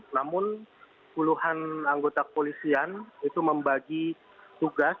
namun puluhan anggota kepolisian itu membagi tugas